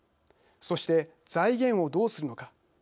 そして、財源をどうするのか。